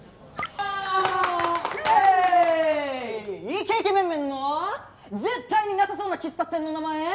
イケイケメンメンの絶対になさそうな喫茶店の名前。